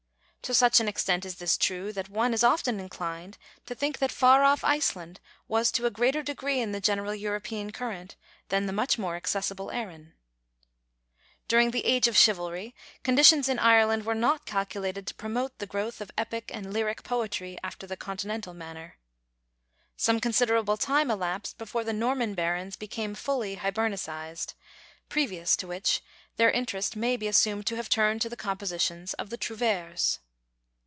To such an extent is this true, that one is often inclined to think that far off Iceland was to a greater degree in the general European current than the much more accessible Erin. During the age of chivalry, conditions in Ireland were not calculated to promote the growth of epic and lyric poetry after the continental manner. Some considerable time elapsed before the Norman barons became fully Hibernicised, previous to which their interest may be assumed to have turned to the compositions of the trouvères.